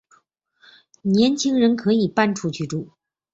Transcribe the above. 年轻人可以搬出去住了